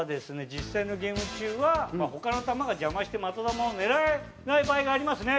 実際のゲーム中は他の球が邪魔して的球を狙えない場合がありますね。